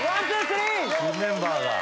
新メンバーが。